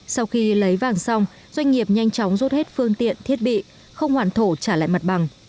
sau khi lấy vàng xong doanh nghiệp nhanh chóng rút hết phương tiện thiết bị không hoàn thổ trả lại mặt bằng